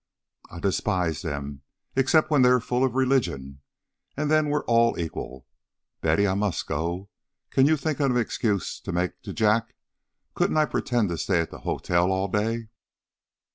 "I despise them except when they're full of religion, and then we're all equal. Betty, I must go. Can you think of an excuse to make to Jack? Couldn't I pretend to stay at the hotel all day?"